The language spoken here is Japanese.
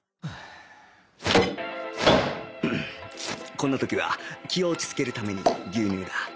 こんな時は気を落ち着けるために牛乳だ